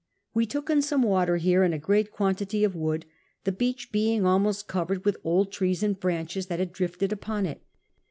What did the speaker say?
We took in some water here and a great quantity of wood, the beach being almost covered with old trees and branches that had drifted u}>on it.